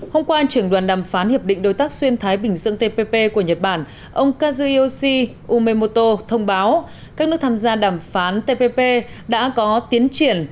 hôm qua trưởng đoàn đàm phán hiệp định đối tác xuyên thái bình dương tpp của nhật bản ông kazushi uemoto thông báo các nước tham gia đàm phán tpp đã có tiến triển